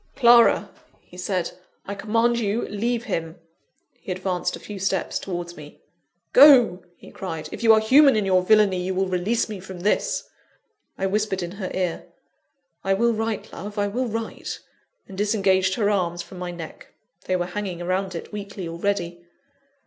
"Clara," he said, "I command you, leave him!" He advanced a few steps towards me. "Go!" he cried; "if you are human in your villany, you will release me from this!" I whispered in her ear, "I will write, love I will write," and disengaged her arms from my neck they were hanging round it weakly, already!